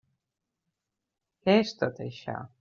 Què és tot això?